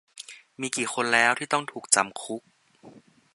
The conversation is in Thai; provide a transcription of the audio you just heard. มีกี่คนแล้วที่ต้องถูกจำคุก